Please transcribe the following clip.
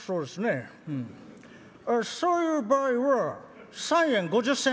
あそういう場合は３円５０銭」。